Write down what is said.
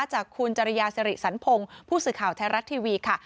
จากคุณจริยาสิริสันพงศ์ผู้สื่อข่าวไทยรัฐทีวีค่ะ